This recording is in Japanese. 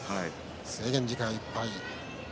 制限時間いっぱい。